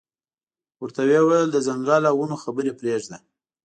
ورته یې وویل د ځنګل او ونو خبرې پرېږده.